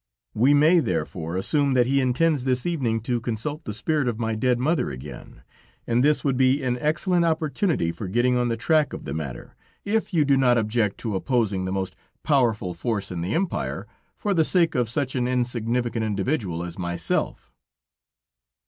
We may, therefore, assume that he intends this evening to consult the spirit of my dead mother again, and this would be an excellent opportunity for getting on the track of the matter, if you do not object to opposing the most powerful force in the Empire, for the sake of such an insignificant individual as myself."